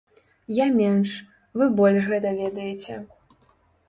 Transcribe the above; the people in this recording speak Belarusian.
Я менш, вы больш гэта ведаеце.